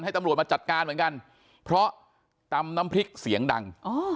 ตำรวจมาจัดการเหมือนกันเพราะตำน้ำพริกเสียงดัง